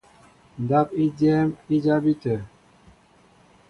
Ndáp i dyɛ́ɛ́m i jabí tə̂.